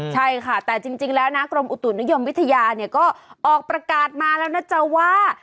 ใช่ค่ะแต่จริงแล้วนะกรมอุตุนิยมวิทยาเนี่ยก็ออกประกาศมาแล้วนะจ๊ะว่า